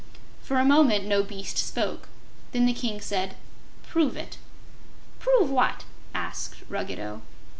For a moment no beast spoke. Then the King said: "Prove it." "Prove what?" asked Ruggedo.